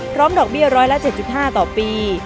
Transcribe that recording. พร้อมดอกเบี้ยร้อยละ๗๕ต่อปี